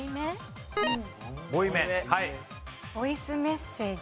ボイスメッセージ。